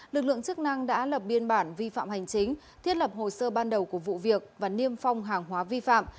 lực lượng chức năng đã lập biên bản vi phạm hành chính thiết lập hồ sơ ban đầu của vụ việc và niêm phong hàng hóa vi phạm